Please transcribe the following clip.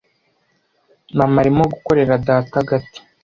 Mama arimo gukorera data agati.